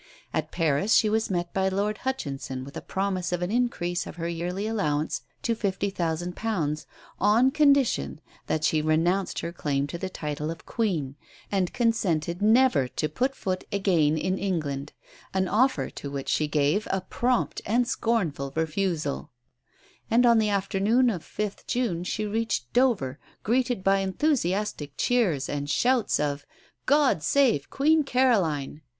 At Paris she was met by Lord Hutchinson with a promise of an increase of her yearly allowance to fifty thousand pounds, on condition that she renounced her claim to the title of Queen, and consented never to put foot again in England an offer to which she gave a prompt and scornful refusal; and on the afternoon of 5th June she reached Dover, greeted by enthusiastic cheers and shouts of "God save Queen Caroline!"